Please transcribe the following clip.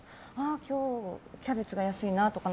今日はキャベツが安いなとか。